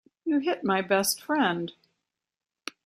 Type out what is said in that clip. You hit my best friend.